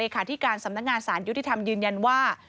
ที่การสำนักงานสารยุติธรรมยืนยันว่า